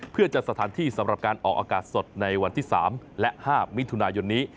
เพื่อจัดสถานที่สำหรับการออกอากาศสดในวันที่๓และ๕มิถุนายนนี้